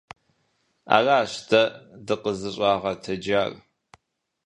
Аращ дэ дыкъызыщӀагъэтэджар.